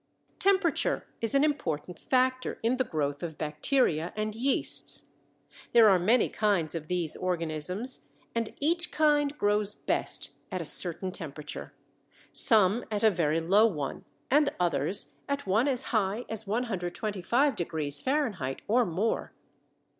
Temperature is an important factor in the growth of bacteria and yeasts. There are many kinds of these organisms, and each kind grows best at a certain temperature, some at a very low one and others at one as high as 125° F., or more.